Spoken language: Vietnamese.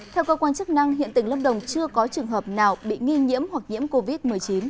theo cơ quan chức năng hiện tỉnh lâm đồng chưa có trường hợp nào bị nghi nhiễm hoặc nhiễm covid một mươi chín